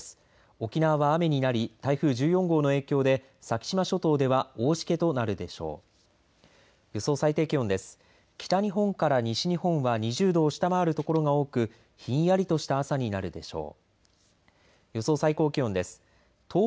沖縄は雨になり台風１４号の影響で先島諸島では大しけとなるでしょう。